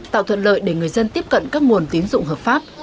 tạo thuận lợi để người dân tiếp cận các nguồn tín dụng hợp pháp